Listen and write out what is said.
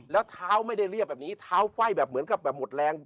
แล้วเท้าไม่ได้เรียบแบบนี้เท้าไฟ่แบบเหมือนกับแบบหมดแรง